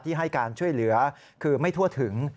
ให้การช่วยเหลือคือไม่ทั่วถึง